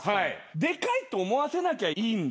でかいと思わせなきゃいいんだと。